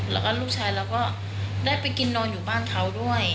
แล้วก็ลูกชายเราก็ได้ไปกินนอนอยู่บ้านเขาด้วย